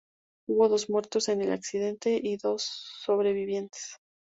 Hubo dos muertos en el accidente y dos supervivientes.